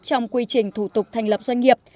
trong quy trình thủ tục thành lập doanh nghiệp